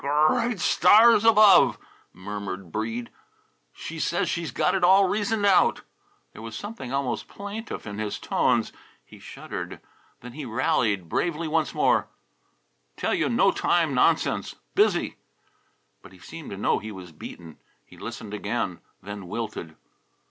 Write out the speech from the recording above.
"Gur reat stars above!" murmured Breede. "She says she's got it all reasoned out!" There was something almost plaintive in his tones; he shuddered. Then he rallied bravely once more. "Tell you, no time nonsense. Busy." But he seemed to know he was beaten. He listened again, then wilted.